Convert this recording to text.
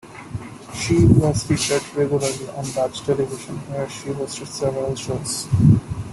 She was featured regularly on Dutch television where she hosted several shows.